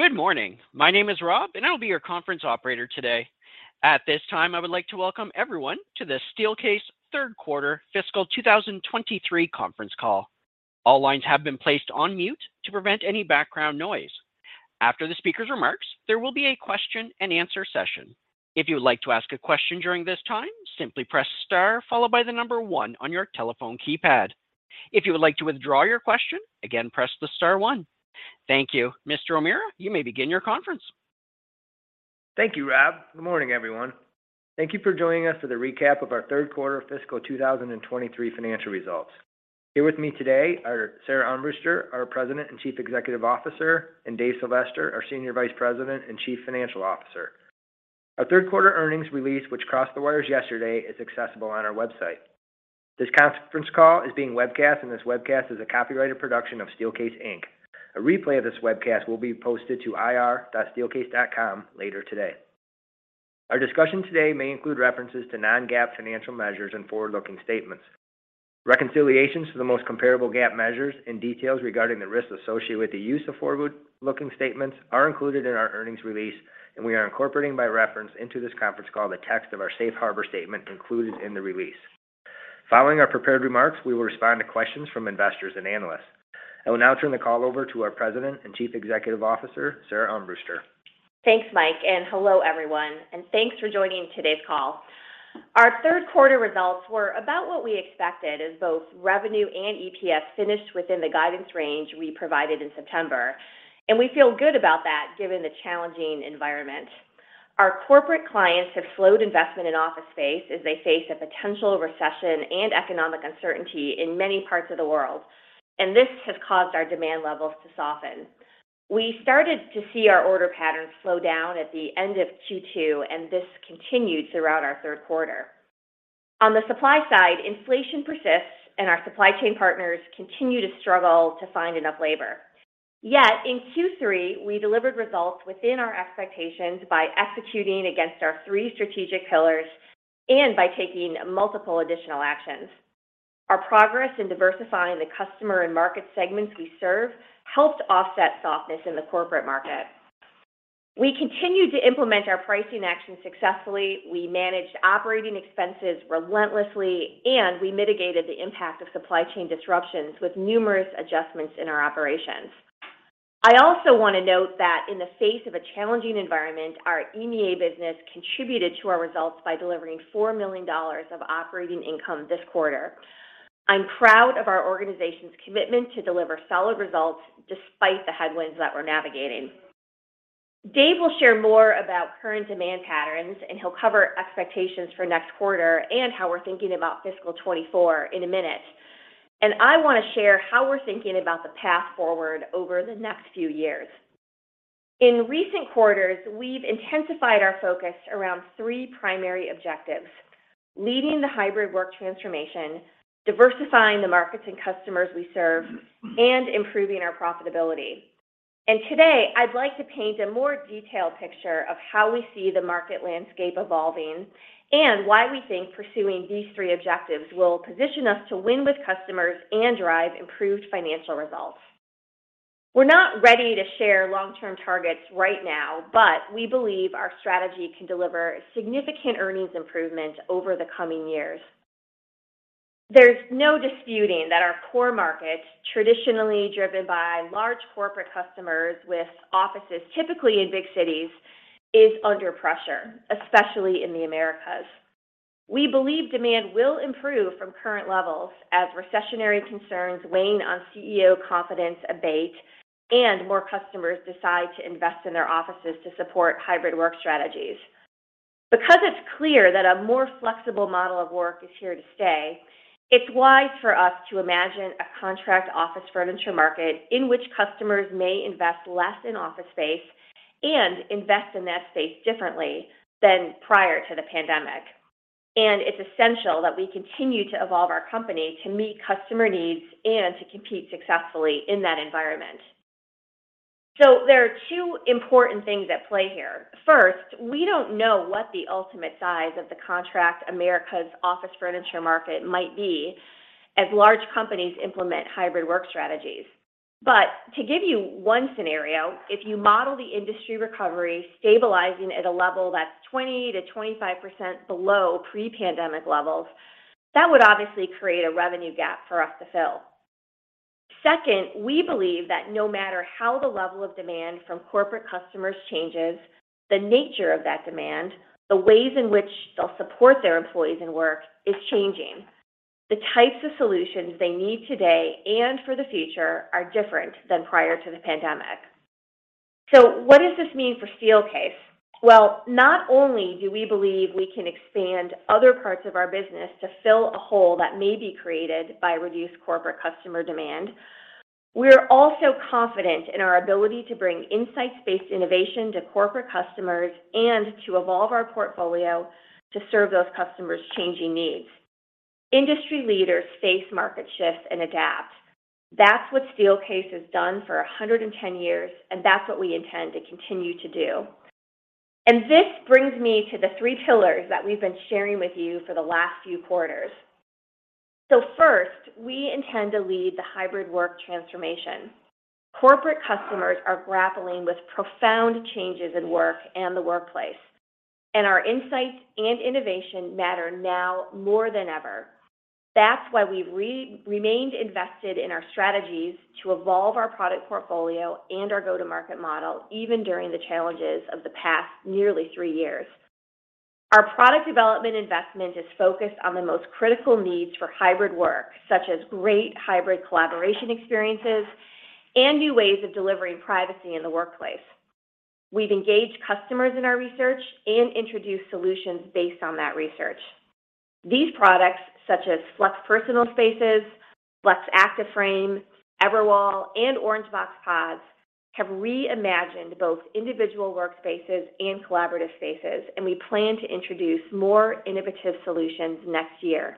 Good morning. My name is Rob, and I'll be your conference operator today. At this time, I would like to welcome everyone to the Steelcase Q3 fiscal 2023 conference call. All lines have been placed on mute to prevent any background noise. After the speaker's remarks, there will be a question and answer session. If you would like to ask a question during this time, simply press star followed by 1 on your telephone keypad. If you would like to withdraw your question, again, press the star one. Thank you. Mr. O'Meara, you may begin your conference. Thank you, Rob. Good morning, everyone. Thank you for joining us for the recap of our 3rd quarter fiscal 2023 financial results. Here with me today are Sara Armbruster, our President and Chief Executive Officer, and Dave Sylvester, our Senior Vice President and Chief Financial Officer. Our 3rd quarter earnings release, which crossed the wires yesterday, is accessible on our website. This conference call is being webcast, and this webcast is a copyrighted production of Steelcase Inc. A replay of this webcast will be posted to ir.steelcase.com later today. Our discussion today may include references to non-GAAP financial measures and forward-looking statements. Reconciliations to the most comparable GAAP measures and details regarding the risks associated with the use of forward-looking statements are included in our earnings release, and we are incorporating by reference into this conference call the text of our safe harbor statement included in the release. Following our prepared remarks, we will respond to questions from investors and analysts. I will now turn the call over to our President and Chief Executive Officer, Sara Armbruster. Thanks, Mike. Hello everyone, and thanks for joining today's call. Our Q3 results were about what we expected as both revenue and EPS finished within the guidance range we provided in September. We feel good about that given the challenging environment. Our corporate clients have slowed investment in office space as they face a potential recession and economic uncertainty in many parts of the world. This has caused our demand levels to soften. We started to see our order patterns slow down at the end of Q2. This continued throughout our Q3. On the supply side, inflation persists, and our supply chain partners continue to struggle to find enough labor. In Q3, we delivered results within our expectations by executing against our three strategic pillars and by taking multiple additional actions. Our progress in diversifying the customer and market segments we serve helped offset softness in the corporate market. We continued to implement our pricing actions successfully. We managed operating expenses relentlessly. We mitigated the impact of supply chain disruptions with numerous adjustments in our operations. I also want to note that in the face of a challenging environment, our EMEA business contributed to our results by delivering $4 million of operating income this quarter. I'm proud of our organization's commitment to deliver solid results despite the headwinds that we're navigating. Dave will share more about current demand patterns. He'll cover expectations for next quarter and how we're thinking about fiscal 2024 in a minute. I want to share how we're thinking about the path forward over the next few years. In recent quarters, we've intensified our focus around three primary objectives: leading the hybrid work transformation, diversifying the markets and customers we serve, and improving our profitability. Today, I'd like to paint a more detailed picture of how we see the market landscape evolving and why we think pursuing these three objectives will position us to win with customers and drive improved financial results. We're not ready to share long-term targets right now, but we believe our strategy can deliver significant earnings improvement over the coming years. There's no disputing that our core market, traditionally driven by large corporate customers with offices typically in big cities, is under pressure, especially in the Americas. We believe demand will improve from current levels as recessionary concerns weighing on CEO confidence abate and more customers decide to invest in their offices to support hybrid work strategies. Because it's clear that a more flexible model of work is here to stay, it's wise for us to imagine a contract office furniture market in which customers may invest less in office space and invest in that space differently than prior to the pandemic. It's essential that we continue to evolve our company to meet customer needs and to compete successfully in that environment. There are two important things at play here. First, we don't know what the ultimate size of the contract America's office furniture market might be as large companies implement hybrid work strategies. To give you one scenario, if you model the industry recovery stabilizing at a level that's 20%-25% below pre-pandemic levels, that would obviously create a revenue gap for us to fill. We believe that no matter how the level of demand from corporate customers changes, the nature of that demand, the ways in which they'll support their employees and work is changing. The types of solutions they need today and for the future are different than prior to the pandemic. What does this mean for Steelcase? Well, not only do we believe we can expand other parts of our business to fill a hole that may be created by reduced corporate customer demand. We're also confident in our ability to bring insights-based innovation to corporate customers and to evolve our portfolio to serve those customers' changing needs. Industry leaders face market shifts and adapt. That's what Steelcase has done for 110 years, and that's what we intend to continue to do. This brings me to the three pillars that we've been sharing with you for the last few quarters. First, we intend to lead the hybrid work transformation. Corporate customers are grappling with profound changes in work and the workplace, and our insights and innovation matter now more than ever. That's why we've remained invested in our strategies to evolve our product portfolio and our go-to-market model, even during the challenges of the past nearly three years. Our product development investment is focused on the most critical needs for hybrid work, such as great hybrid collaboration experiences and new ways of delivering privacy in the workplace. We've engaged customers in our research and introduced solutions based on that research. These products, such as Flex Personal Spaces, Flex Active Frames, Everwall, and Orangebox Pods, have reimagined both individual workspaces and collaborative spaces. We plan to introduce more innovative solutions next year.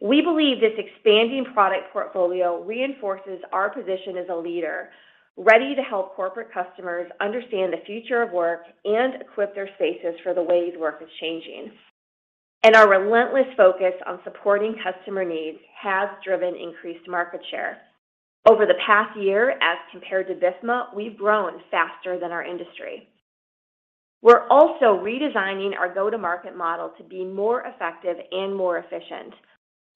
We believe this expanding product portfolio reinforces our position as a leader, ready to help corporate customers understand the future of work and equip their spaces for the ways work is changing. Our relentless focus on supporting customer needs has driven increased market share. Over the past year, as compared to BIFMA, we've grown faster than our industry. We're also redesigning our go-to-market model to be more effective and more efficient.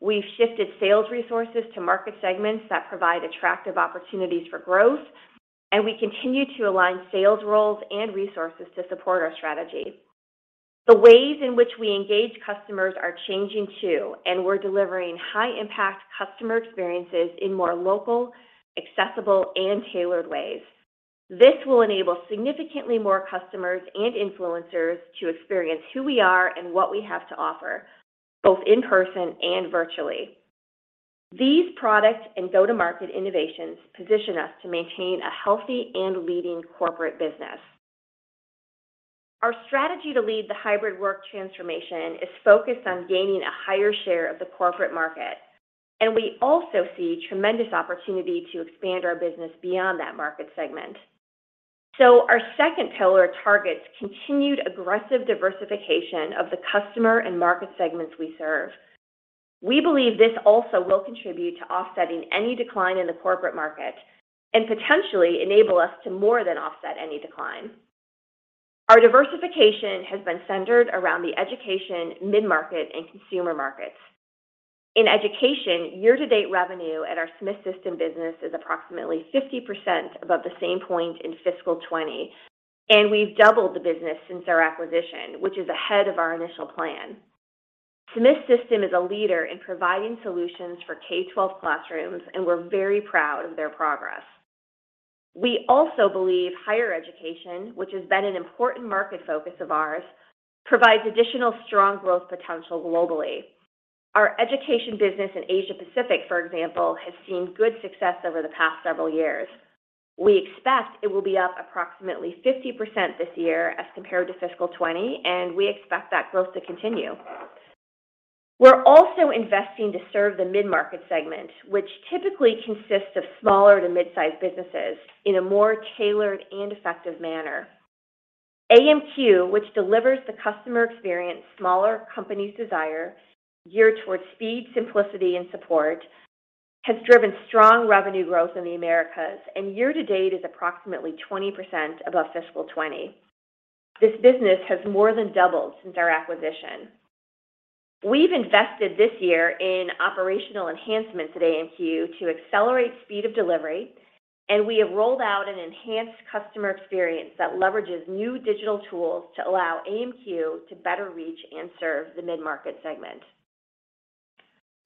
We've shifted sales resources to market segments that provide attractive opportunities for growth. We continue to align sales roles and resources to support our strategy. The ways in which we engage customers are changing too, and we're delivering high-impact customer experiences in more local, accessible, and tailored ways. This will enable significantly more customers and influencers to experience who we are and what we have to offer, both in person and virtually. These products and go-to-market innovations position us to maintain a healthy and leading corporate business. Our strategy to lead the hybrid work transformation is focused on gaining a higher share of the corporate market, and we also see tremendous opportunity to expand our business beyond that market segment. Our second pillar targets continued aggressive diversification of the customer and market segments we serve. We believe this also will contribute to offsetting any decline in the corporate market and potentially enable us to more than offset any decline. Our diversification has been centered around the education, mid-market, and consumer markets. In education, year-to-date revenue at our Smith System business is approximately 50% above the same point in fiscal 20, and we've doubled the business since our acquisition, which is ahead of our initial plan. Smith System is a leader in providing solutions for K-12 classrooms, and we're very proud of their progress. We also believe higher education, which has been an important market focus of ours, provides additional strong growth potential globally. Our education business in Asia-Pacific, for example, has seen good success over the past several years. We expect it will be up approximately 50% this year as compared to fiscal 20, and we expect that growth to continue. We're also investing to serve the mid-market segment, which typically consists of smaller to mid-sized businesses, in a more tailored and effective manner. AMQ, which delivers the customer experience smaller companies desire, geared towards speed, simplicity, and support, has driven strong revenue growth in the Americas. Year-to-date is approximately 20% above fiscal 20. This business has more than doubled since our acquisition. We've invested this year in operational enhancements at AMQ to accelerate speed of delivery, and we have rolled out an enhanced customer experience that leverages new digital tools to allow AMQ to better reach and serve the mid-market segment.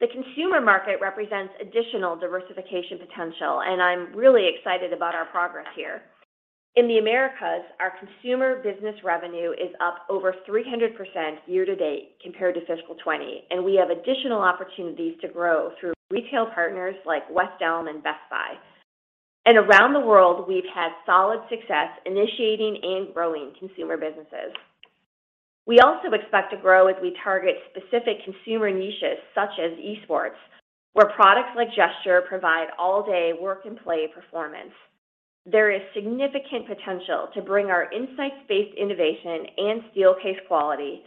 The consumer market represents additional diversification potential, and I'm really excited about our progress here. In the Americas, our consumer business revenue is up over 300% year-to-date compared to fiscal 20, and we have additional opportunities to grow through retail partners like West Elm and Best Buy. Around the world, we've had solid success initiating and growing consumer businesses. We also expect to grow as we target specific consumer niches such as esports, where products like Gesture provide all-day work and play performance. There is significant potential to bring our insights-based innovation and Steelcase quality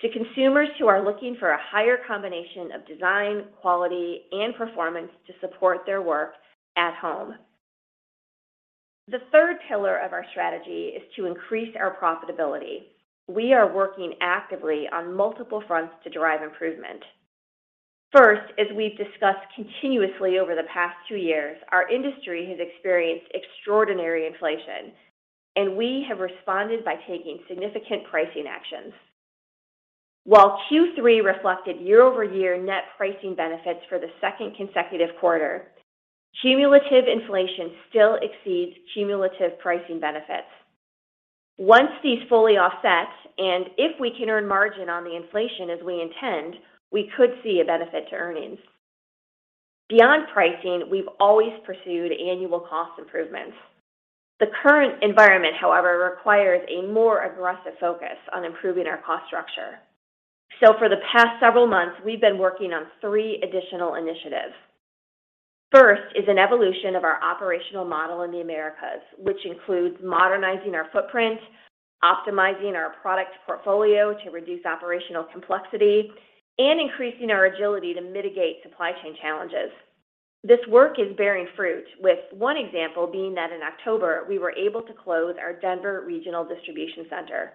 to consumers who are looking for a higher combination of design, quality, and performance to support their work at home. The third pillar of our strategy is to increase our profitability. We are working actively on multiple fronts to drive improvement. First, as we've discussed continuously over the past two years, our industry has experienced extraordinary inflation, and we have responded by taking significant pricing actions. While Q3 reflected year-over-year net pricing benefits for the second consecutive quarter, cumulative inflation still exceeds cumulative pricing benefits. Once these fully offset, and if we can earn margin on the inflation as we intend, we could see a benefit to earnings. Beyond pricing, we've always pursued annual cost improvements. The current environment, however, requires a more aggressive focus on improving our cost structure. For the past several months, we've been working on three additional initiatives. First is an evolution of our operational model in the Americas, which includes modernizing our footprint, optimizing our product portfolio to reduce operational complexity, and increasing our agility to mitigate supply chain challenges. This work is bearing fruit with one example being that in October, we were able to close our Denver regional distribution center.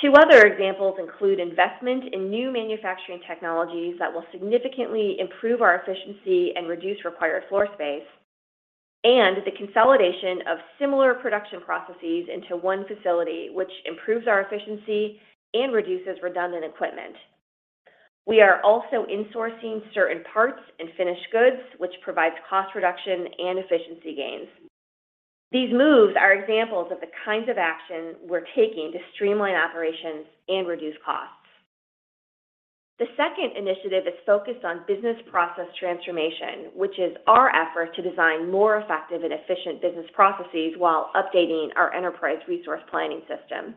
Two other examples include investment in new manufacturing technologies that will significantly improve our efficiency and reduce required floor space, and the consolidation of similar production processes into one facility, which improves our efficiency and reduces redundant equipment. We are also insourcing certain parts and finished goods, which provides cost reduction and efficiency gains. These moves are examples of the kinds of action we're taking to streamline operations and reduce costs. The second initiative is focused on business process transformation, which is our effort to design more effective and efficient business processes while updating our enterprise resource planning system.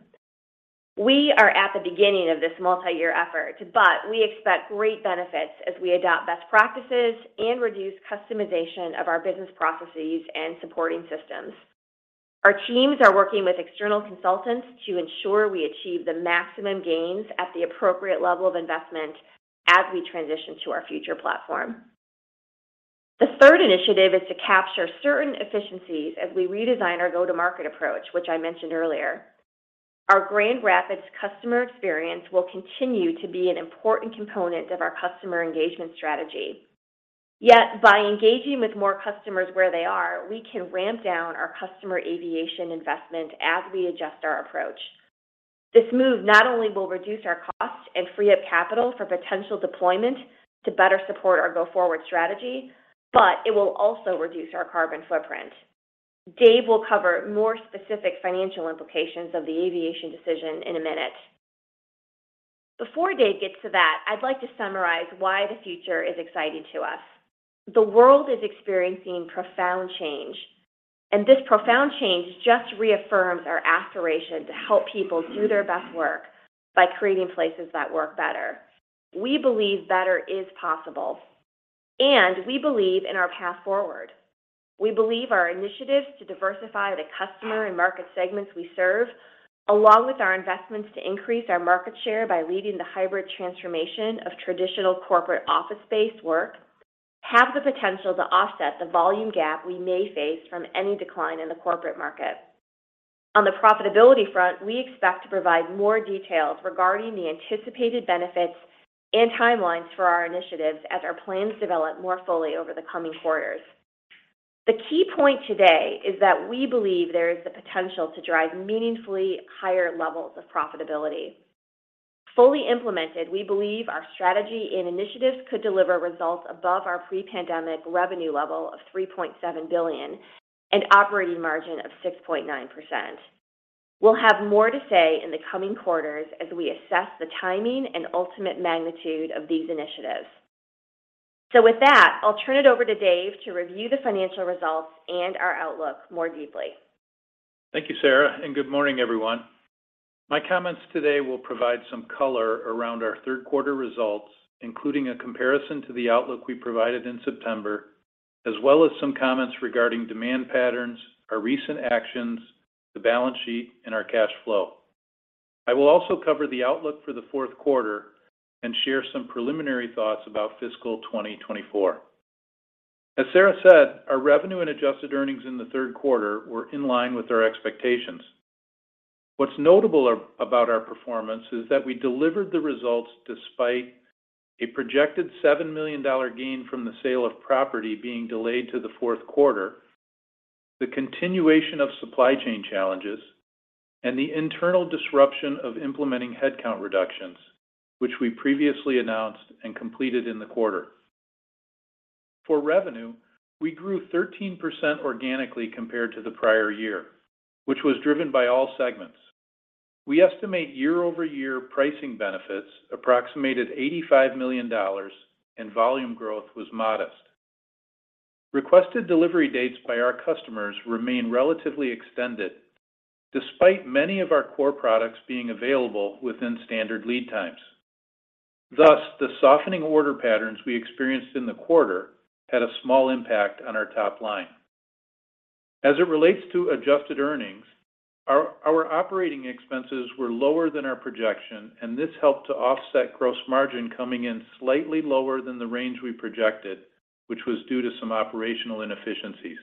We are at the beginning of this multi-year effort, but we expect great benefits as we adopt best practices and reduce customization of our business processes and supporting systems. Our teams are working with external consultants to ensure we achieve the maximum gains at the appropriate level of investment as we transition to our future platform. The third initiative is to capture certain efficiencies as we redesign our go-to-market approach, which I mentioned earlier. Our Grand Rapids customer experience will continue to be an important component of our customer engagement strategy. By engaging with more customers where they are, we can ramp down our customer innovation investment as we adjust our approach. This move not only will reduce our cost and free up capital for potential deployment to better support our go-forward strategy, but it will also reduce our carbon footprint. Dave will cover more specific financial implications of the innovation decision in a minute. Before Dave gets to that, I'd like to summarize why the future is exciting to us. The world is experiencing profound change. This profound change just reaffirms our aspiration to help people do their best work by creating places that work better. We believe better is possible, we believe in our path forward. We believe our initiatives to diversify the customer and market segments we serve, along with our investments to increase our market share by leading the hybrid transformation of traditional corporate office space work, have the potential to offset the volume gap we may face from any decline in the corporate market. On the profitability front, we expect to provide more details regarding the anticipated benefits and timelines for our initiatives as our plans develop more fully over the coming quarters. The key point today is that we believe there is the potential to drive meaningfully higher levels of profitability. Fully implemented, we believe our strategy and initiatives could deliver results above our pre-pandemic revenue level of $3.7 billion and operating margin of 6.9%. We'll have more to say in the coming quarters as we assess the timing and ultimate magnitude of these initiatives. With that, I'll turn it over to Dave to review the financial results and our outlook more deeply. Thank you, Sara, Good morning, everyone. My comments today will provide some color around our Q3 results, including a comparison to the outlook we provided in September, as well as some comments regarding demand patterns, our recent actions, the balance sheet, and our cash flow. I will also cover the outlook for the Q4 and share some preliminary thoughts about fiscal 2024. As Sara said, our revenue and adjusted earnings in the Q3 were in line with our expectations. What's notable about our performance is that we delivered the results despite a projected $7 million gain from the sale of property being delayed to the Q4, the continuation of supply chain challenges, and the internal disruption of implementing headcount reductions, which we previously announced and completed in the quarter. For revenue, we grew 13% organically compared to the prior year, which was driven by all segments. We estimate year-over-year pricing benefits approximated $85 million and volume growth was modest. Requested delivery dates by our customers remain relatively extended despite many of our core products being available within standard lead times. Thus, the softening order patterns we experienced in the quarter had a small impact on our top line. As it relates to adjusted earnings, our operating expenses were lower than our projection, and this helped to offset gross margin coming in slightly lower than the range we projected, which was due to some operational inefficiencies.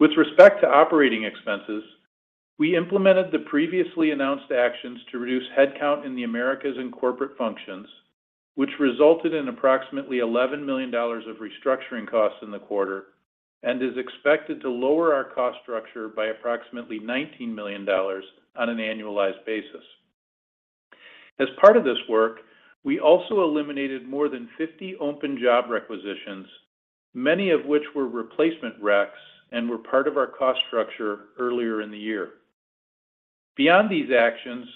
With respect to operating expenses, we implemented the previously announced actions to reduce headcount in the Americas and corporate functions, which resulted in approximately $11 million of restructuring costs in the quarter and is expected to lower our cost structure by approximately $19 million on an annualized basis. As part of this work, we also eliminated more than 50 open job requisitions, many of which were replacement reqs and were part of our cost structure earlier in the year. Beyond these actions,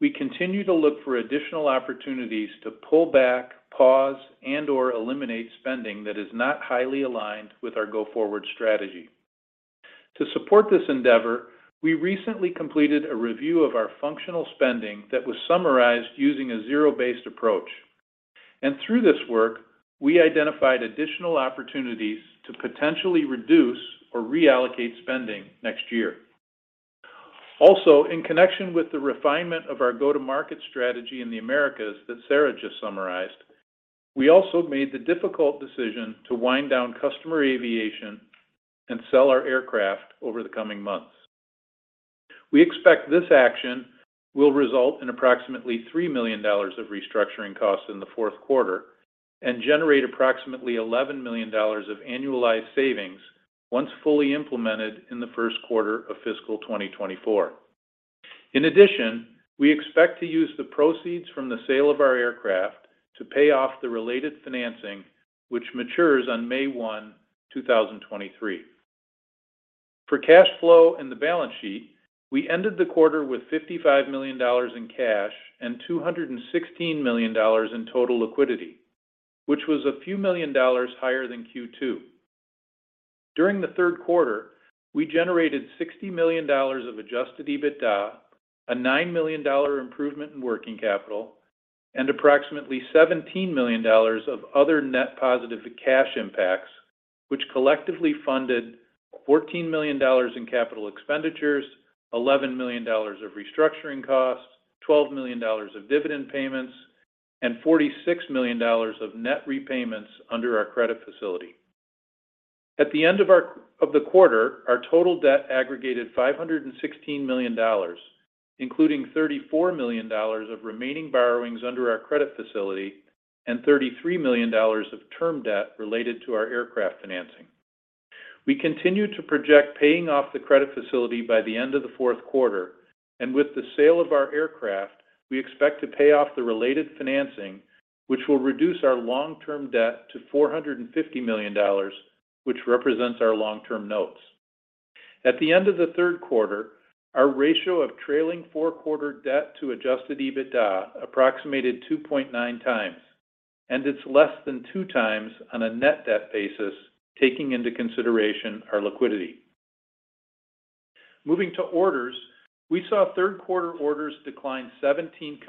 we continue to look for additional opportunities to pull back, pause, and/or eliminate spending that is not highly aligned with our go-forward strategy. To support this endeavor, we recently completed a review of our functional spending that was summarized using a zero-based approach. Through this work, we identified additional opportunities to potentially reduce or reallocate spending next year. In connection with the refinement of our go-to-market strategy in the Americas that Sara just summarized, we also made the difficult decision to wind down customer innovation and sell our aircraft over the coming months. We expect this action will result in approximately $3 million of restructuring costs in the Q4 and generate approximately $11 million of annualized savings once fully implemented in the Q1 of fiscal 2024. We expect to use the proceeds from the sale of our aircraft to pay off the related financing, which matures on May 1, 2023. Cash flow and the balance sheet, we ended the quarter with $55 million in cash and $216 million in total liquidity, which was a few million dollars higher than Q2. During the Q3, we generated $60 million of adjusted EBITDA, a $9 million improvement in working capital, and approximately $17 million of other net positive cash impacts, which collectively funded $14 million in capital expenditures, $11 million of restructuring costs, $12 million of dividend payments, and $46 million of net repayments under our credit facility. At the end of the quarter, our total debt aggregated $516 million, including $34 million of remaining borrowings under our credit facility and $33 million of term debt related to our aircraft financing. We continue to project paying off the credit facility by the end of the Q4, with the sale of our aircraft, we expect to pay off the related financing, which will reduce our long-term debt to $450 million, which represents our long-term notes. At the end of the Q3, our ratio of trailing four-quarter debt to adjusted EBITDA approximated 2.9 times. It's less than 2 times on a net debt basis, taking into consideration our liquidity. Moving to orders, we saw Q3 orders decline 17%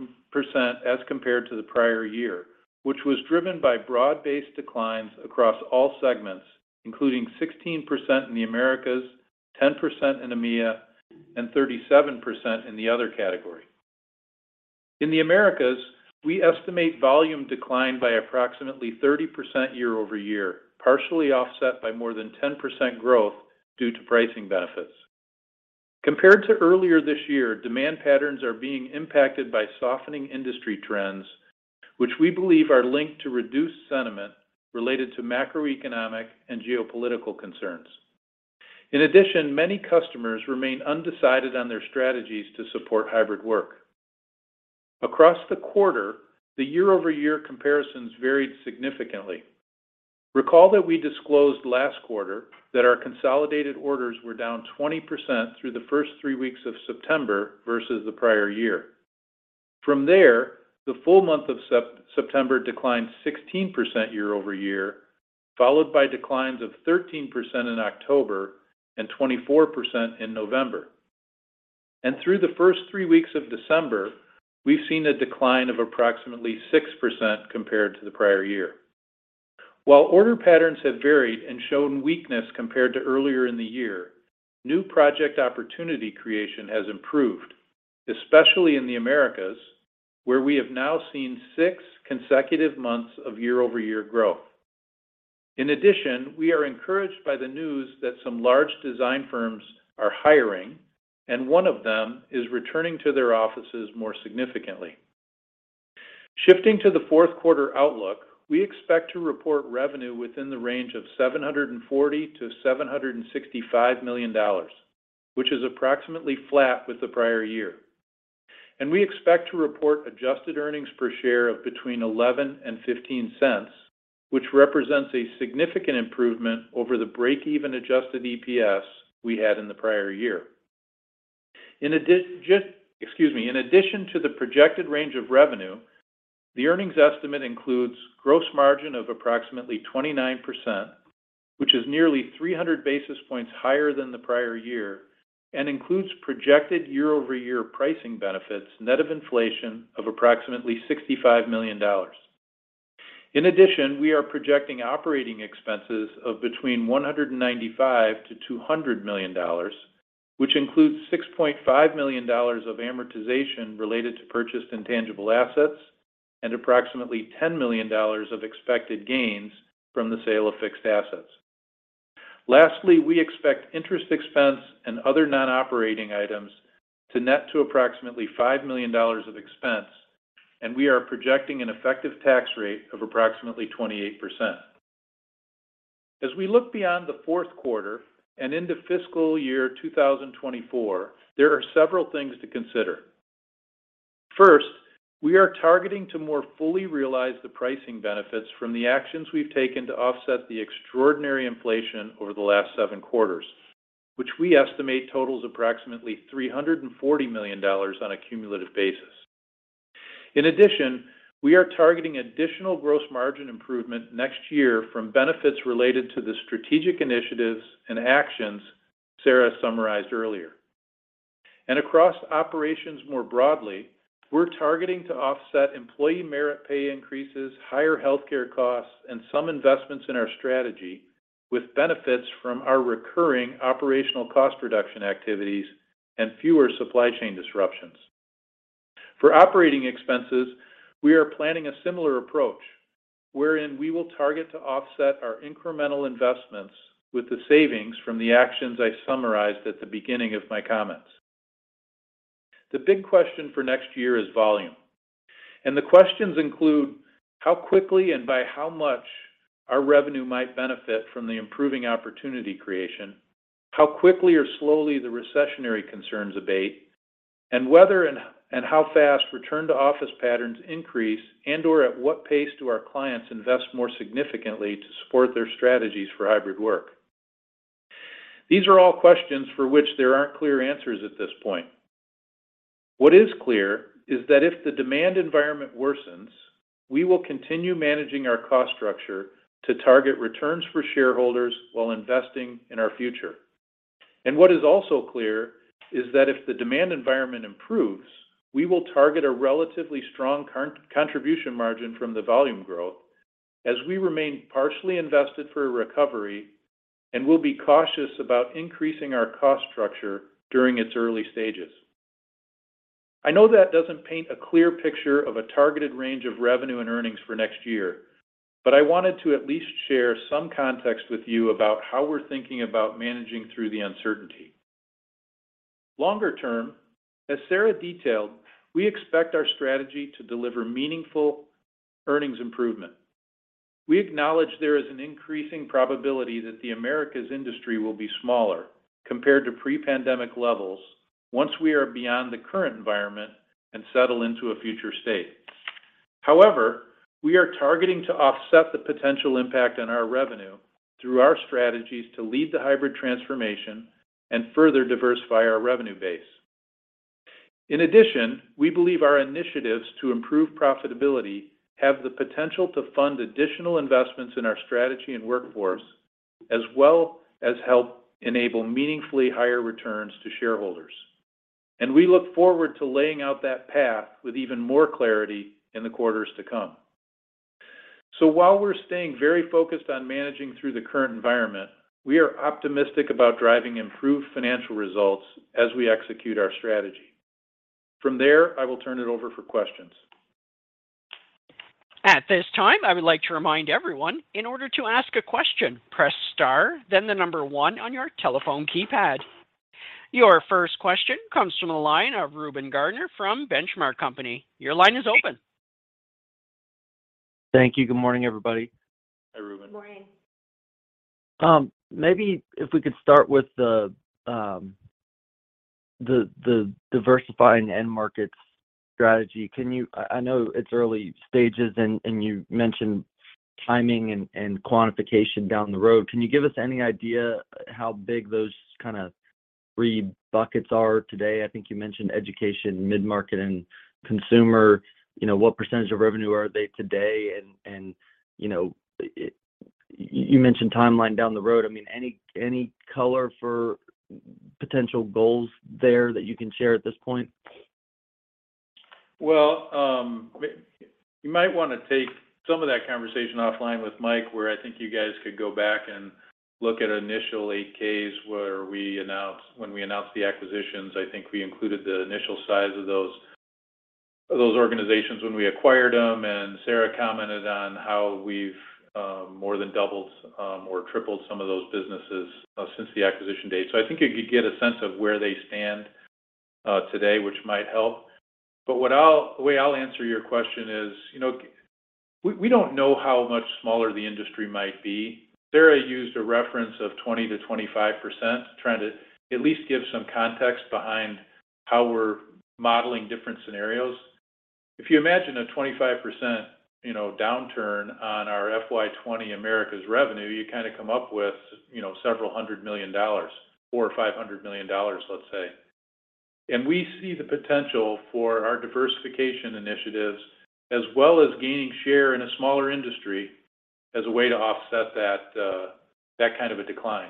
as compared to the prior year, which was driven by broad-based declines across all segments, including 16% in the Americas, 10% in EMEIA, and 37% in the other category. In the Americas, we estimate volume declined by approximately 30% year-over-year, partially offset by more than 10% growth due to pricing benefits. Compared to earlier this year, demand patterns are being impacted by softening industry trends, which we believe are linked to reduced sentiment related to macroeconomic and geopolitical concerns. In addition, many customers remain undecided on their strategies to support hybrid work. Across the quarter, the year-over-year comparisons varied significantly. Recall that we disclosed last quarter that our consolidated orders were down 20% through the first 3 weeks of September versus the prior year. From there, the full month of September declined 16% year-over-year, followed by declines of 13% in October and 24% in November. Through the first 3 weeks of December, we've seen a decline of approximately 6% compared to the prior year. While order patterns have varied and shown weakness compared to earlier in the year, new project opportunity creation has improved, especially in the Americas, where we have now seen 6 consecutive months of year-over-year growth. We are encouraged by the news that some large design firms are hiring, and one of them is returning to their offices more significantly. Shifting to the Q4 outlook, we expect to report revenue within the range of $740 million-$765 million, which is approximately flat with the prior year. We expect to report adjusted earnings per share of between $0.11 and $0.15, which represents a significant improvement over the break-even adjusted EPS we had in the prior year. In addition to the projected range of revenue, the earnings estimate includes gross margin of approximately 29%, which is nearly 300 basis points higher than the prior year, and includes projected year-over-year pricing benefits net of inflation of approximately $65 million. We are projecting operating expenses of between $195 million-$200 million, which includes $6.5 million of amortization related to purchased intangible assets and approximately $10 million of expected gains from the sale of fixed assets. We expect interest expense and other non-operating items to net to approximately $5 million of expense. We are projecting an effective tax rate of approximately 28%. As we look beyond the Q4 and into fiscal year 2024, there are several things to consider. First, we are targeting to more fully realize the pricing benefits from the actions we've taken to offset the extraordinary inflation over the last 7 quarters, which we estimate totals approximately $340 million on a cumulative basis. In addition, we are targeting additional gross margin improvement next year from benefits related to the strategic initiatives and actions Sara summarized earlier. Across operations more broadly, we're targeting to offset employee merit pay increases, higher healthcare costs, and some investments in our strategy with benefits from our recurring operational cost reduction activities and fewer supply chain disruptions. For operating expenses, we are planning a similar approach wherein we will target to offset our incremental investments with the savings from the actions I summarized at the beginning of my comments. The big question for next year is volume, the questions include how quickly and by how much our revenue might benefit from the improving opportunity creation, how quickly or slowly the recessionary concerns abate, and whether and how fast return-to-office patterns increase and/or at what pace do our clients invest more significantly to support their strategies for hybrid work. These are all questions for which there aren't clear answers at this point. What is clear is that if the demand environment worsens, we will continue managing our cost structure to target returns for shareholders while investing in our future. What is also clear is that if the demand environment improves, we will target a relatively strong contribution margin from the volume growth as we remain partially invested for a recovery and will be cautious about increasing our cost structure during its early stages. I know that doesn't paint a clear picture of a targeted range of revenue and earnings for next year. I wanted to at least share some context with you about how we're thinking about managing through the uncertainty. Longer term, as Sara detailed, we expect our strategy to deliver meaningful earnings improvement. We acknowledge there is an increasing probability that the Americas industry will be smaller compared to pre-pandemic levels once we are beyond the current environment and settle into a future state. We are targeting to offset the potential impact on our revenue through our strategies to lead the hybrid transformation and further diversify our revenue base. In addition, we believe our initiatives to improve profitability have the potential to fund additional investments in our strategy and workforce, as well as help enable meaningfully higher returns to shareholders. We look forward to laying out that path with even more clarity in the quarters to come. While we're staying very focused on managing through the current environment, we are optimistic about driving improved financial results as we execute our strategy. From there, I will turn it over for questions. At this time, I would like to remind everyone, in order to ask a question, press star then the number 1 on your telephone keypad. Your first question comes from the line of Reuben Garner from Benchmark Company. Your line is open. Thank you. Good morning, everybody. Hi, Reuben. Morning. Maybe if we could start with the diversifying end markets strategy. I know it's early stages and you mentioned timing and quantification down the road. Can you give us any idea how big those three buckets are today? I think you mentioned education, mid-market, and consumer. What percentage of revenue are they today? You mentioned timeline down the road. Any color for potential goals there that you can share at this point? You might want to take some of that conversation offline with Mike, where I think you guys could go back and look at initial 8-Ks when we announced the acquisitions. I think we included the initial size of those organizations when we acquired them. Sara commented on how we've more than doubled or tripled some of those businesses since the acquisition date. I think you could get a sense of where they stand today, which might help. The way I'll answer your question is, we don't know how much smaller the industry might be. Sara used a reference of 20%-25%, trying to at least give some context behind how we're modeling different scenarios. If you imagine a 25%, downturn on our FY 20 Americas revenue, you kinda come up with, several hundred million dollars, $400 million-$500 million, let's say. We see the potential for our diversification initiatives as well as gaining share in a smaller industry as a way to offset that a decline.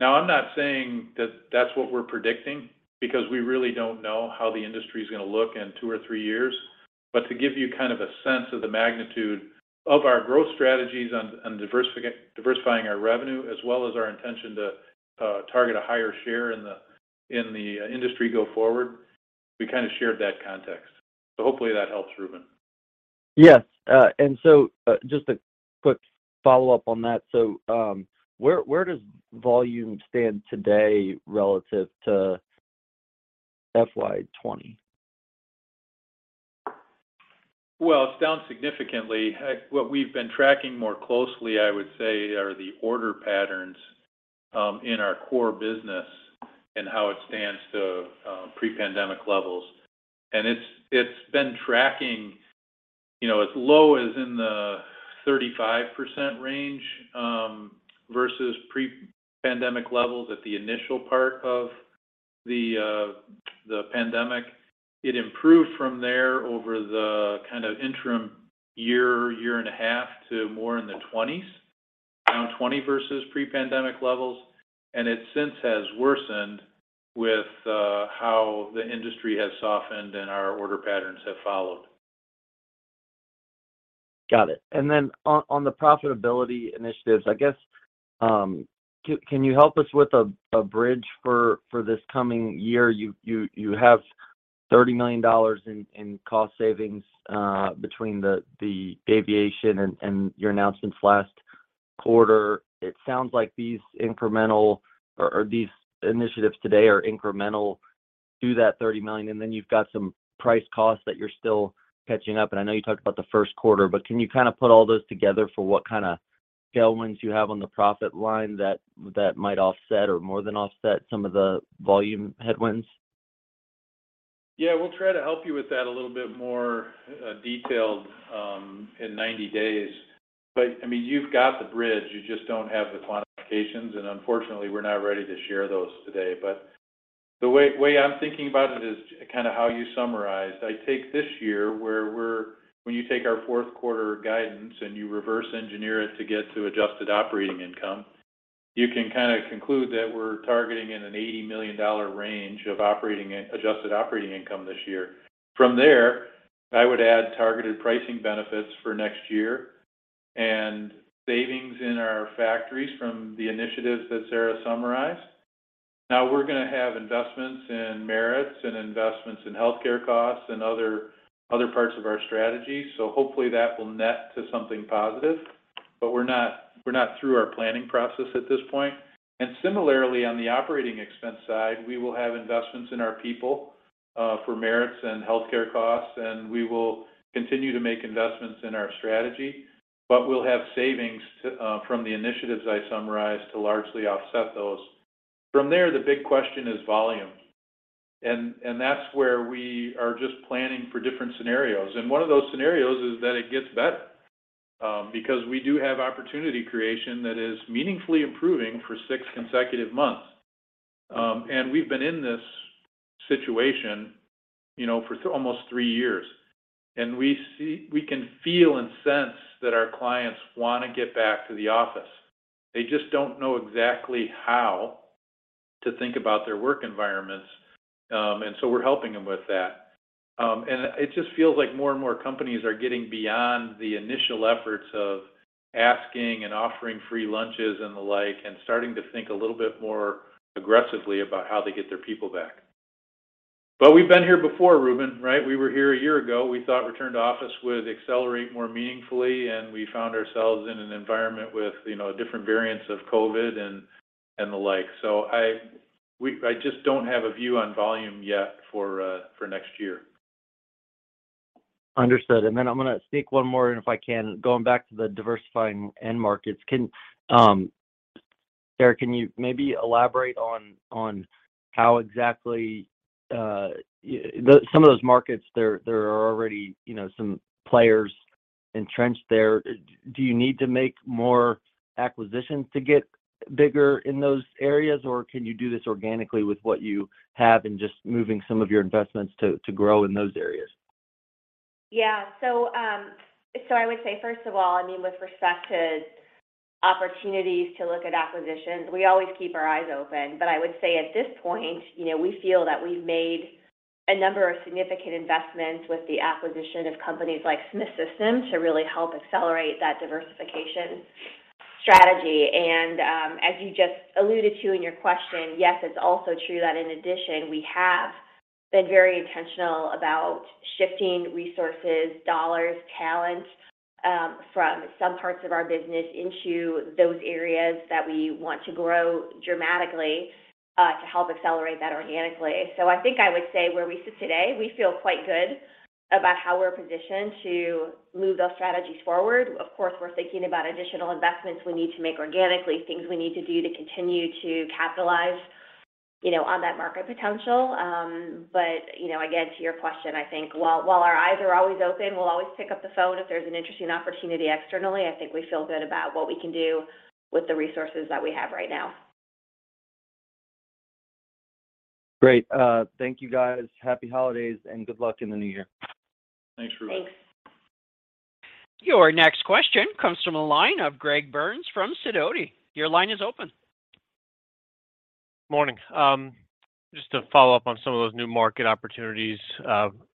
I'm not saying that that's what we're predicting, because we really don't know how the industry's gonna look in 2 or 3 years. To give you a sense of the magnitude of our growth strategies on, diversifying our revenue as well as our intention to target a higher share in the, in the industry go forward, we kinda shared that context. Hopefully that helps, Reuben. Yes. Just a quick follow-up on that. Where does volume stand today relative to FY 20? Well, it's down significantly. What we've been tracking more closely, I would say, are the order patterns in our core business and how it stands to pre-pandemic levels. It's been tracking, as low as in the 35% range versus pre-pandemic levels at the initial part of the pandemic. It improved from there over the interim year and a half to more in the 20s. Down 20% versus pre-pandemic levels. It since has worsened with how the industry has softened and our order patterns have followed. Got it. On the profitability initiatives, I guess, can you help us with a bridge for this coming year? You have $30 million in cost savings between the aviation and your announcements last quarter. It sounds like these incremental or these initiatives today are incremental to that $30 million, and then you've got some price costs that you're still catching up. I know you talked about the Q1, but can you put all those together for what tailwinds you have on the profit line that might offset or more than offset some of the volume headwinds? Yeah, we'll try to help you with that a little bit more detailed in 90 days. You've got the bridge, you just don't have the quantifications, and unfortunately, we're not ready to share those today. The way I'm thinking about it is how you summarized. I take this year where when you take our Q4 guidance and you reverse engineer it to get to adjusted operating income, you can conclude that we're targeting in an $80 million range of adjusted operating income this year. From there, I would add targeted pricing benefits for next year and savings in our factories from the initiatives that Sara summarized. Now we're gonna have investments in merits and investments in healthcare costs and other parts of our strategy. Hopefully that will net to something positive. We're not through our planning process at this point. Similarly, on the operating expense side, we will have investments in our people for merits and healthcare costs, and we will continue to make investments in our strategy. We'll have savings to from the initiatives I summarized to largely offset those. From there, the big question is volume. That's where we are just planning for different scenarios. One of those scenarios is that it gets better because we do have opportunity creation that is meaningfully improving for six consecutive months. We've been in this situation, for almost three years. We can feel and sense that our clients wanna get back to the office. They just don't know exactly how to think about their work environments. We're helping them with that. It just feels like more and more companies are getting beyond the initial efforts of asking and offering free lunches and the like and starting to think a little bit more aggressively about how they get their people back. We've been here before, Reuben, right? We were here a year ago. We thought return to office would accelerate more meaningfully, and we found ourselves in an environment with, different variants of COVID and the like. I just don't have a view on volume yet for next year. Understood. I'm gonna sneak one more in if I can. Going back to the diversifying end markets. Can Sara, can you maybe elaborate on how exactly some of those markets there are already, some players entrenched there? Do you need to make more acquisitions to get bigger in those areas, or can you do this organically with what you have and just moving some of your investments to grow in those areas? Yeah. I would say, first of all, with respect to opportunities to look at acquisitions, we always keep our eyes open. I would say at this point, we feel that we've made a number of significant investments with the acquisition of companies like Smith System to really help accelerate that diversification strategy. As you just alluded to in your question, yes, it's also true that in addition, we have been very intentional about shifting resources, dollars, talent, from some parts of our business into those areas that we want to grow dramatically to help accelerate that organically. I think I would say where we sit today, we feel quite good about how we're positioned to move those strategies forward. Of course, we're thinking about additional investments we need to make organically, things we need to do to continue to capitalize, on that market potential. Again, to your question, I think while our eyes are always open, we'll always pick up the phone if there's an interesting opportunity externally. I think we feel good about what we can do with the resources that we have right now. Great.Thank you, guys. Happy holidays, and good luck in the new year. Thanks, Reuben. Thanks. Your next question comes from the line of Greg Burns from Sidoti. Your line is open. Morning. Just to follow up on some of those new market opportunities.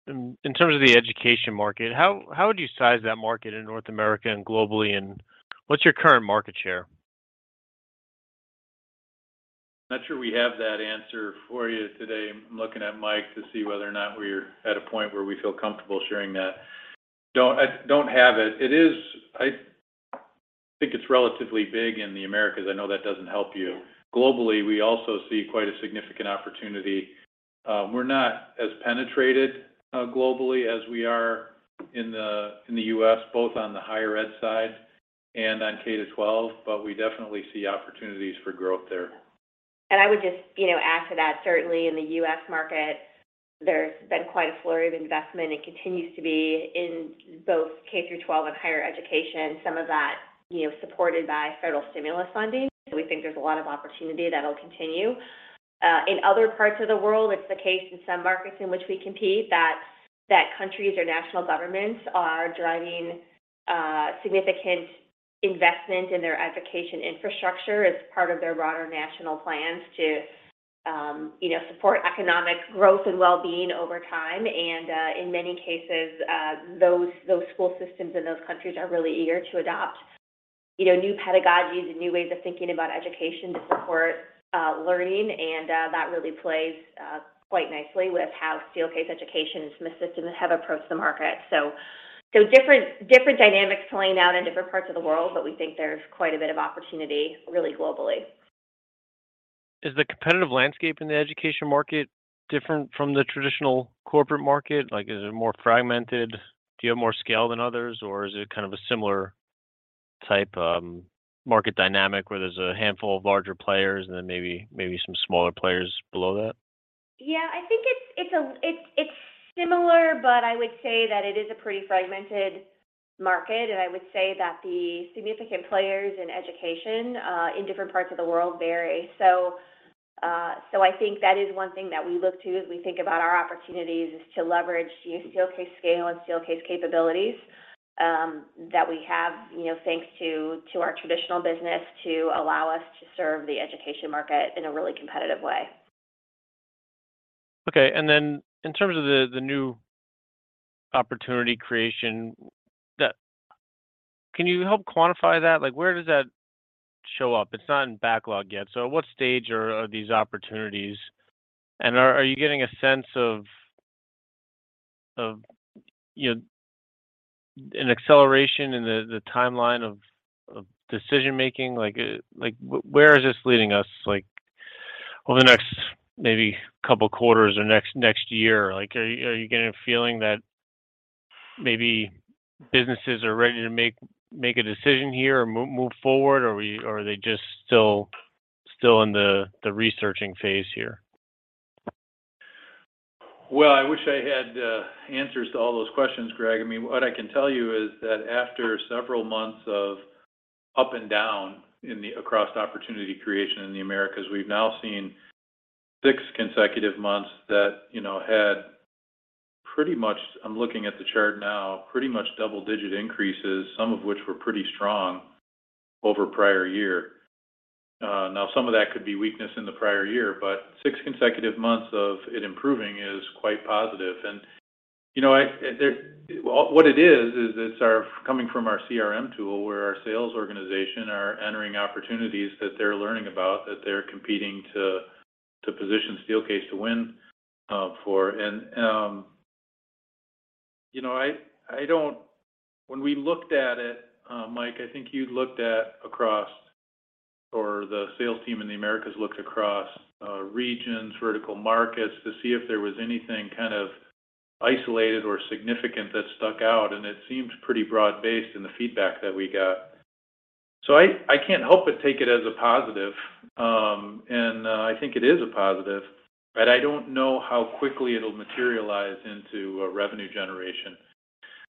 In terms of the education market, how would you size that market in North America and globally, and what's your current market share? Not sure we have that answer for you today. I'm looking at Mike to see whether or not we're at a point where we feel comfortable sharing that. I don't have it. I think it's relatively big in the Americas. I know that doesn't help you. Globally, we also see quite a significant opportunity. We're not as penetrated globally as we are in the U.S., both on the higher ed side and on K-12, but we definitely see opportunities for growth there I would just, add to that certainly in the U.S. market, there's been quite a flurry of investment and continues to be in both K-12 and higher education, some of that, supported by federal stimulus funding. We think there's a lot of opportunity that'll continue. In other parts of the world, it's the case in some markets in which we compete that countries or national governments are driving significant investment in their education infrastructure as part of their broader national plans to, support economic growth and well-being over time. In many cases, those school systems in those countries are really eager to adopt, new pedagogies and new ways of thinking about education to support learning. That really plays quite nicely with how Steelcase Education and Smith System have approached the market. So different dynamics playing out in different parts of the world, but we think there's quite a bit of opportunity really globally. Is the competitive landscape in the education market different from the traditional corporate market? Like, is it more fragmented? Do you have more scale than others, or is it a similar type market dynamic where there's a handful of larger players and then maybe some smaller players below that? Yeah, I think it's similar, but I would say that it is a pretty fragmented market. I would say that the significant players in education in different parts of the world vary. I think that is one thing that we look to as we think about our opportunities is to leverage Steelcase scale and Steelcase capabilities that we have, thanks to our traditional business to allow us to serve the education market in a really competitive way. Okay. In terms of the new opportunity creation, can you help quantify that? Like, where does that show up? It's not in backlog yet. At what stage are these opportunities? Are you getting a sense of, an acceleration in the timeline of decision-making? Like, where is this leading us, like, over the next maybe couple quarters or next year? Like, are you getting a feeling that maybe businesses are ready to make a decision here or move forward, or are they just still in the researching phase here? Well, I wish I had answers to all those questions, Greg. What I can tell you is that after several months of up and down across opportunity creation in the Americas, we've now seen 6 consecutive months that, had pretty much, I'm looking at the chart now, pretty much double-digit increases, some of which were pretty strong over prior year. Now some of that could be weakness in the prior year, but 6 consecutive months of it improving is quite positive. It's coming from our CRM tool, where our sales organization are entering opportunities that they're learning about, that they're competing to position Steelcase to win for. I don't... When we looked at it, Mike, I think you looked at across, or the sales team in the Americas looked across regions, vertical markets to see if there was anything isolated or significant that stuck out. It seems pretty broad-based in the feedback that we got. I can't help but take it as a positive. I think it is a positive, but I don't know how quickly it'll materialize into a revenue generation.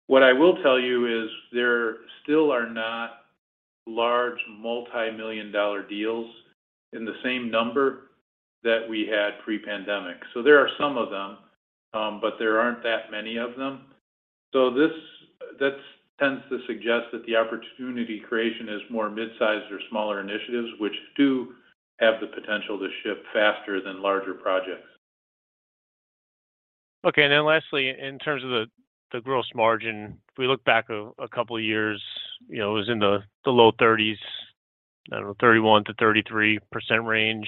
What I will tell you is there still are not large multi-million dollar deals in the same number that we had pre-pandemic. There are some of them, but there aren't that many of them. That tends to suggest that the opportunity creation is more mid-sized or smaller initiatives, which do have the potential to ship faster than larger projects. Okay. Lastly, in terms of the gross margin, if we look back a couple of years, it was in the low 30s, I don't know, 31%-33% range.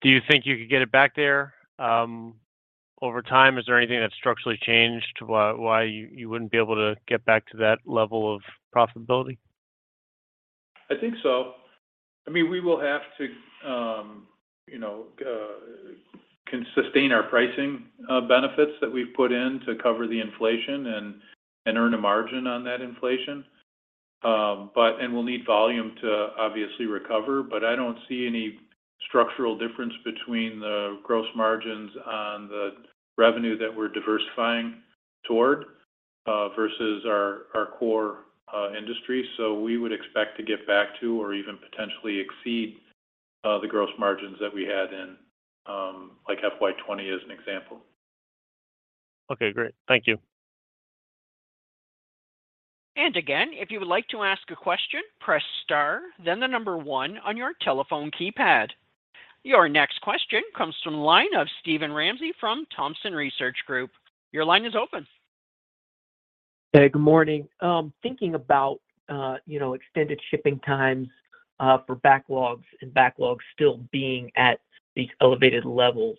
Do you think you could get it back there over time? Is there anything that structurally changed why you wouldn't be able to get back to that level of profitability? I think so. We will have to, sustain our pricing benefits that we've put in to cover the inflation and earn a margin on that inflation. We'll need volume to obviously recover. I don't see any structural difference between the gross margins on the revenue that we're diversifying toward, versus our core industry. We would expect to get back to or even potentially exceed, the gross margins that we had in, like FY 20 as an example. Okay, great. Thank you. Again, if you would like to ask a question, press star, then 1 on your telephone keypad. Your next question comes from the line of Steven Ramsey from Thompson Research Group. Your line is open. Hey, good morning. Thinking about, extended shipping times for backlogs and backlogs still being at these elevated levels,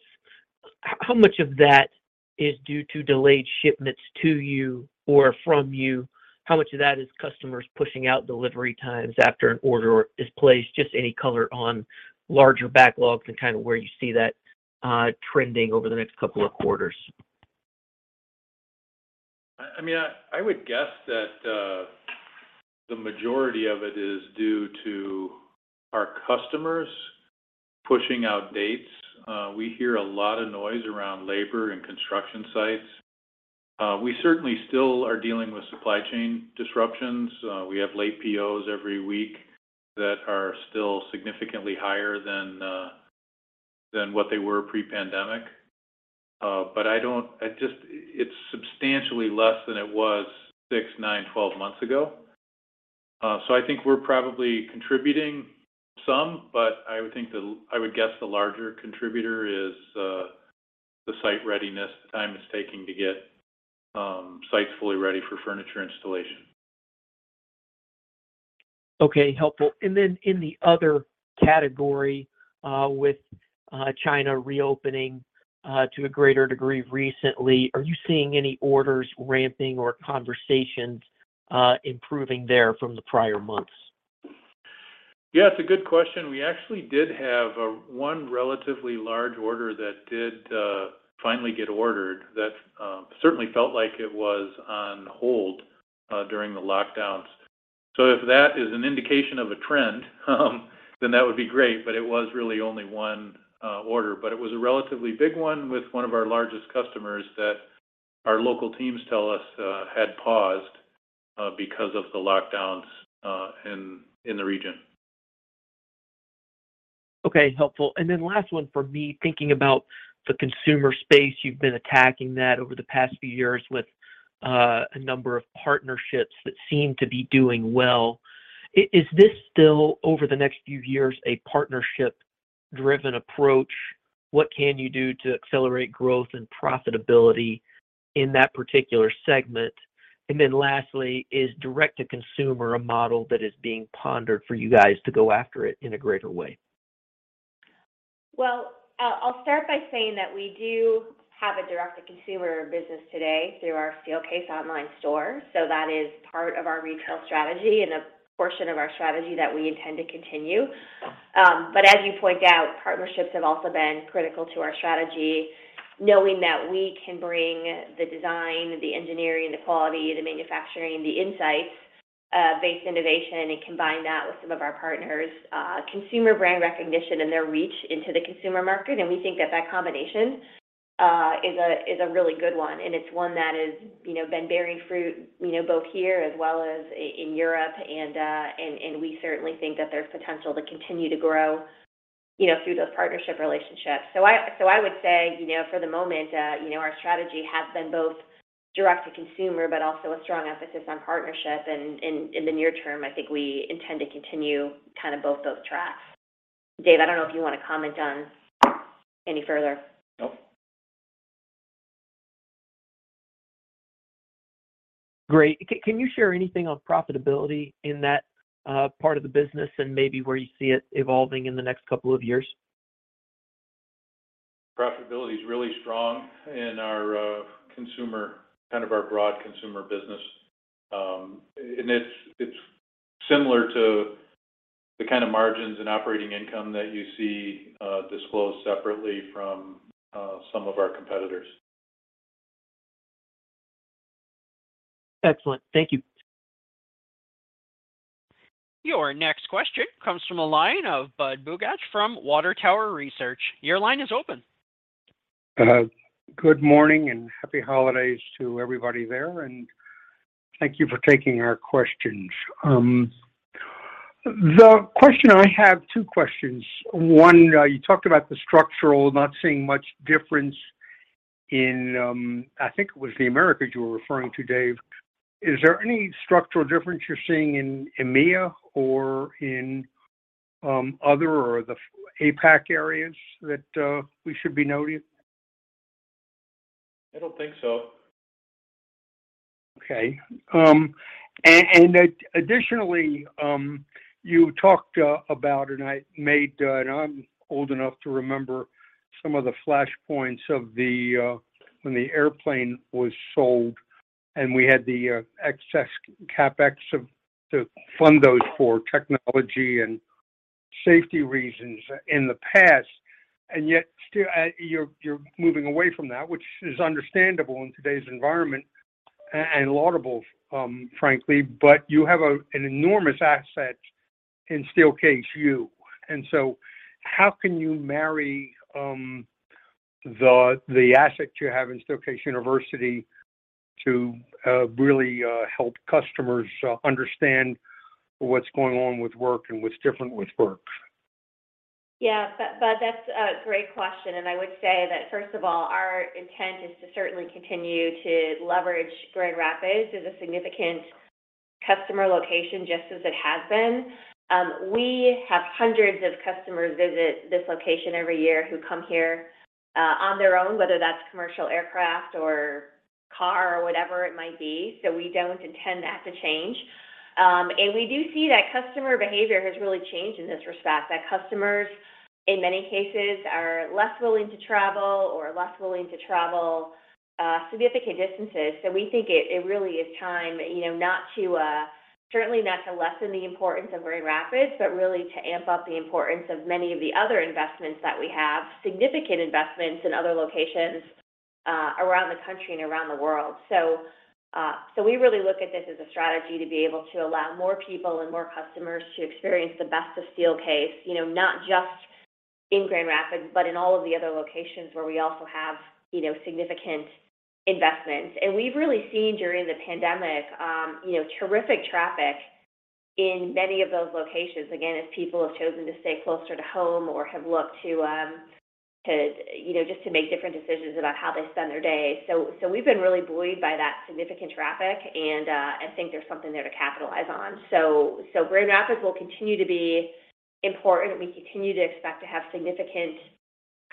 how much of that is due to delayed shipments to you or from you? How much of that is customers pushing out delivery times after an order is placed? Just any color on larger backlogs and where you see that trending over the next couple of quarters. I would guess that the majority of it is due to our customers pushing out dates. We hear a lot of noise around labor and construction sites. We certainly still are dealing with supply chain disruptions. We have late POs every week that are still significantly higher than what they were pre-pandemic. It's substantially less than it was 6, 9, 12 months ago. I think we're probably contributing some, but I would guess the larger contributor is the site readiness, the time it's taking to get sites fully ready for furniture installation. Okay, helpful. In the other category, with China reopening to a greater degree recently, are you seeing any orders ramping or conversations improving there from the prior months? Yeah, it's a good question. We actually did have one relatively large order that did finally get ordered that certainly felt like it was on hold during the lockdowns. If that is an indication of a trend, then that would be great, but it was really only one order. It was a relatively big one with one of our largest customers that our local teams tell us had paused because of the lockdowns in the region. Okay, helpful. Last one for me, thinking about the consumer space. You've been attacking that over the past few years with a number of partnerships that seem to be doing well. Is this still, over the next few years, a partnership-driven approach? What can you do to accelerate growth and profitability in that particular segment? Lastly, is direct-to-consumer a model that is being pondered for you guys to go after it in a greater way? Well, I'll start by saying that we do have a direct-to-consumer business today through our Steelcase online store. That is part of our retail strategy and a portion of our strategy that we intend to continue. But as you point out, partnerships have also been critical to our strategy, knowing that we can bring the design, the engineering, the quality, the manufacturing, the insights, based innovation, and combine that with some of our partners', consumer brand recognition and their reach into the consumer market. We think that that combination is a really good one, and it's one that has, been bearing fruit, both here as well as in Europe. We certainly think that there's potential to continue to grow, through those partnership relationships. I would say, for the moment, our strategy has been both direct to consumer, but also a strong emphasis on partnership. In the near term, I think we intend to continue both those tracks. Dave, I don't know if you wanna comment on any further? Nope. Great. Can you share anything on profitability in that part of the business and maybe where you see it evolving in the next couple of years? Profitability is really strong in our our broad consumer business. It's similar to the margins and operating income that you see disclosed separately from some of our competitors. Excellent. Thank you. Your next question comes from a line of Budd Bugatch from Water Tower Research. Your line is open. Good morning and happy holidays to everybody there. Thank you for taking our questions. I have two questions. One, you talked about the structural, not seeing much difference in, I think it was the Americas you were referring to, Dave. Is there any structural difference you're seeing in EMEA or in other or the APAC areas that we should be noting? I don't think so. Okay. Additionally, you talked about, and I'm old enough to remember some of the flashpoints of the when the airplane was sold, and we had the excess CapEx to fund those for technology and safety reasons in the past. Yet still, you're moving away from that, which is understandable in today's environment and laudable, frankly. You have an enormous asset in Steelcase University. How can you marry the asset you have in Steelcase University to really help customers understand what's going on with work and what's different with work? Yeah. Budd, that's a great question. I would say that, first of all, our intent is to certainly continue to leverage Grand Rapids as a significant customer location, just as it has been. We have hundreds of customers visit this location every year who come here on their own, whether that's commercial aircraft or car or whatever it might be. We don't intend that to change. We do see that customer behavior has really changed in this respect, that customers, in many cases, are less willing to travel significant distances. We think it really is time, you know, not to certainly not to lessen the importance of Grand Rapids, but really to amp up the importance of many of the other investments that we have, significant investments in other locations around the country and around the world. We really look at this as a strategy to be able to allow more people and more customers to experience the best of Steelcase. You know, not just in Grand Rapids, but in all of the other locations where we also have, you know, significant investments. We've really seen during the pandemic, terrific traffic in many of those locations, again, as people have chosen to stay closer to home or have looked to, you know, just to make different decisions about how they spend their day. We've been really buoyed by that significant traffic, and, I think there's something there to capitalize on. Grand Rapids will continue to be important. We continue to expect to have significant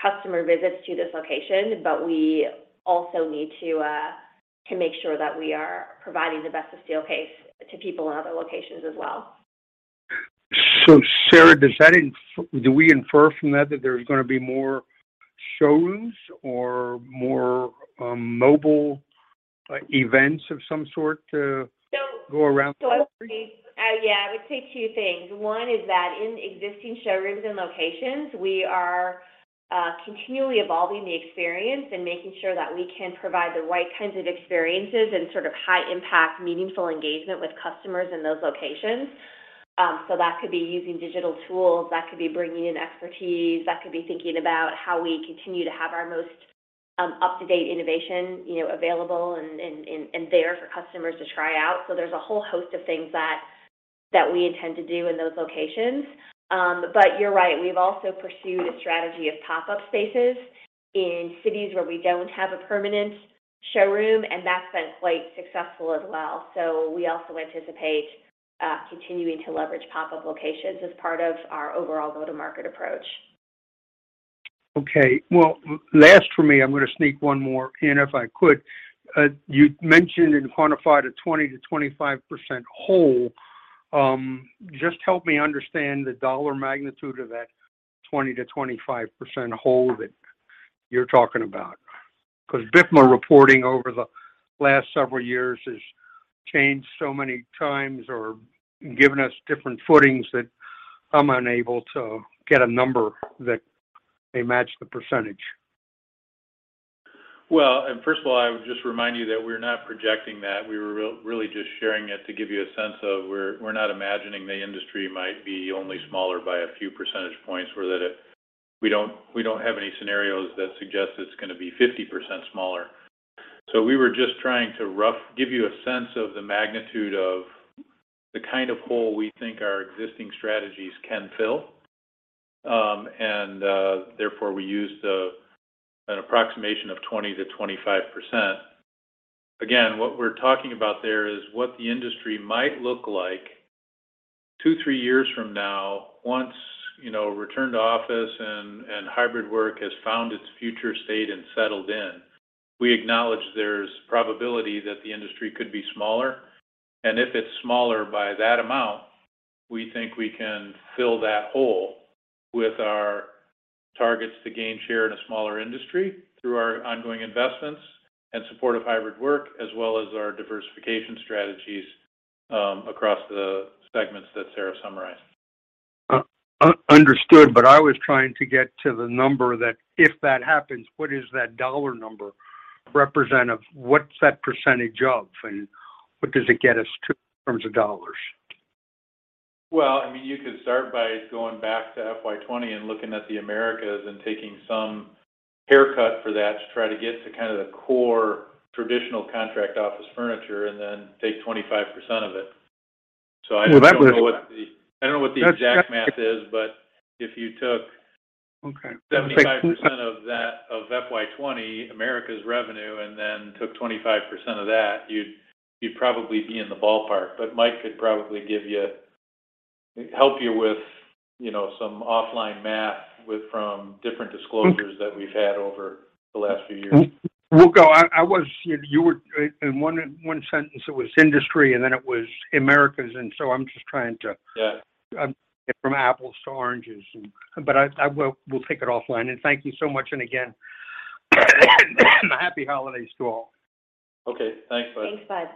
customer visits to this location, but we also need to make sure that we are providing the best of Steelcase to people in other locations as well. Sara, do we infer from that there's gonna be more showrooms or more mobile events of some sort? So- go around the country? I would say two things. One is that in existing showrooms and locations, we are continually evolving the experience and making sure that we can provide the right kinds of experiences and high impact, meaningful engagement with customers in those locations. That could be using digital tools. That could be bringing in expertise. That could be thinking about how we continue to have our most up-to-date innovation, you know, available and there for customers to try out. There's a whole host of things that we intend to do in those locations. You're right, we've also pursued a strategy of pop-up spaces in cities where we don't have a permanent showroom, and that's been quite successful as well. We also anticipate continuing to leverage pop-up locations as part of our overall go-to-market approach. Okay. Well, last for me, I'm gonna sneak one more in, if I could. You mentioned and quantified a 20%-25% hole. Just help me understand the dollar magnitude of that 20%-25% hole that you're talking about. 'Cause BIFMA reporting over the last several years has changed so many times or given us different footings that I'm unable to get a number that may match the percentage. First of all, I would just remind you that we're not projecting that. We were really just sharing it to give you a sense of we're not imagining the industry might be only smaller by a few percentage points. We don't have any scenarios that suggest it's gonna be 50% smaller. We were just trying to give you a sense of the magnitude of the hole we think our existing strategies can fill. Therefore, we used an approximation of 20%-25%. Again, what we're talking about there is what the industry might look like 2, 3 years from now once, you know, return to office and hybrid work has found its future state and settled in. We acknowledge there's probability that the industry could be smaller, and if it's smaller by that amount, we think we can fill that hole with our targets to gain share in a smaller industry through our ongoing investments and support of hybrid work, as well as our diversification strategies, across the segments that Sara summarized. Understood, I was trying to get to the number that if that happens, what does that dollar number represent of what's that percentage of, and what does it get us to in terms of dollars? Well, you could start by going back to FY 20 and looking at the Americas and taking some haircut for that to try to get to the core traditional contract office furniture and then take 25% of it. Well, that. know what the... [cro math is, but if you took. Okay. 75% of that, of FY 20, America's revenue, and then took 25% of that, you'd probably be in the ballpark. Mike could probably give you help you with, you know, some offline math with, from different disclosures that we've had over the last few years. You were in one sentence it was industry, and then it was Americas. Yeah. get from apples to oranges. We'll take it offline. Thank you so much. Again, happy holidays to all. Okay. Thanks, Budd. Thanks, Budd.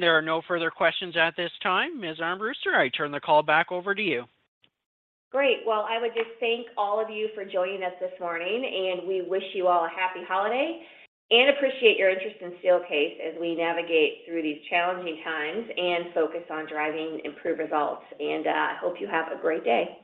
There are no further questions at this time. Ms. Armbruster, I turn the call back over to you. Great. Well, I would just thank all of you for joining us this morning. We wish you all a happy holiday and appreciate your interest in Steelcase as we navigate through these challenging times and focus on driving improved results. Hope you have a great day.